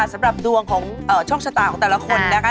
สำหรับดวงของโชคชะตาของแต่ละคนนะคะ